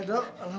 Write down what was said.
ada apa sih